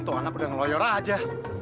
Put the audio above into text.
tuhan aku udah ngeloyor aja